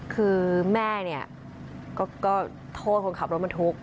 คือแม่เนี่ยก็โทษคนขับรถบรรทุก